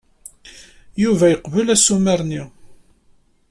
Yuba yeqbel assumer-nni.